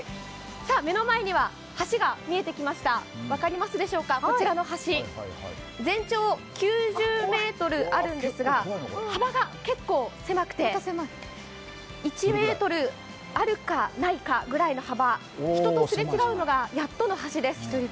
目の前には橋が見えてきました、分かりますでしょうか、こちらの橋、全長９０ｍあるんですが、幅が結構狭くて、１ｍあるかないかぐらいの幅人とすれ違うのがやっとの橋です。